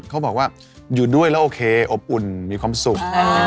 เขาบอกว่าอยู่ด้วยแล้วโอเคอบอุ่นมีความสุข